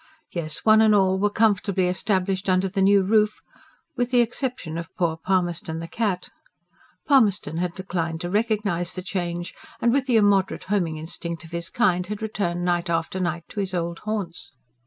Yes, one and all were comfortably established under the new roof with the exception of poor Palmerston the cat. Palmerston had declined to recognise the change, and with the immoderate homing instinct of his kind had returned night after night to his old haunts.